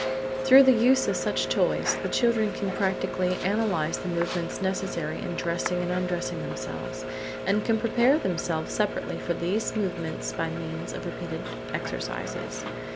Through the use of such toys, the children can practically analyse the movements necessary in dressing and undressing themselves, and can prepare themselves separately for these movements by means of repeated exercises.